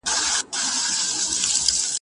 سکندر هم هیندوستان ته و راغلی